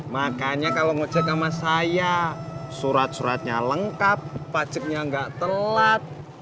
makanya kalo ngejek sama saya surat suratnya lengkap pajaknya gak telat